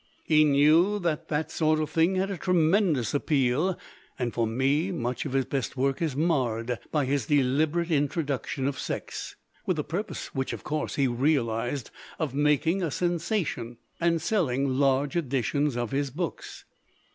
He knew that that sort of thing had a tremendous appeal, and, for me, much of his best work is marred by his deliberate introduction of sex, with the purpose which, of course, he realized of making a sensation and selling large editions of his books.